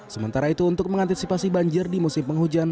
sementara itu untuk mengantisipasi banjir di musim penghujan